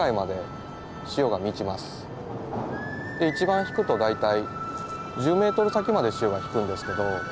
一番引くと大体１０ｍ先まで潮が引くんですけど。